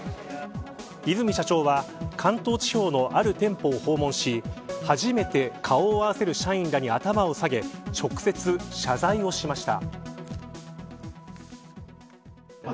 和泉社長は、関東地方のある店舗を訪問し初めて顔を合わせる社員らに頭を下げ直接、謝罪をしました。